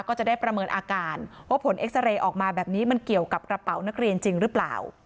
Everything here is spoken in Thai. ก็จะได้ประเมินอาการว่าผลเอ็กซาเรย์ออกมาแบบนี้มันเกี่ยวกับกระเป๋านักเรียนจริงหรือเปล่า